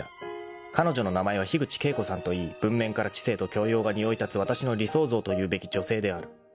［彼女の名前は樋口景子さんといい文面から知性と教養がにおい立つわたしの理想像というべき女性である］